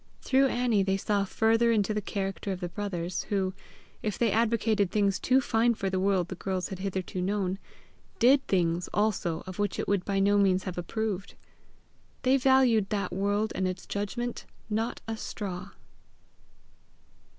Through Annie they saw further into the character of the brothers, who, if they advocated things too fine for the world the girls had hitherto known, DID things also of which it would by no means have approved. They valued that world and its judgment not a straw!